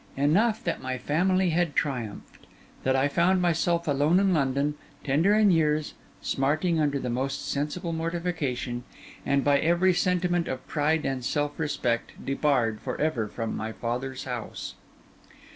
Enough that my family had triumphed; that I found myself alone in London, tender in years, smarting under the most sensible mortification, and by every sentiment of pride and self respect debarred for ever from my father's house.